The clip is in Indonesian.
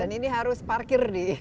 dan ini harus parkir di